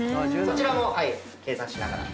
そちらも計算しながら。